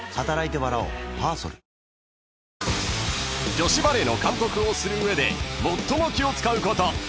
［女子バレーの監督をする上で最も気を使うこと］